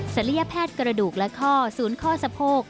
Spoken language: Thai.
ยแพทย์กระดูกและข้อศูนย์ข้อสะโพก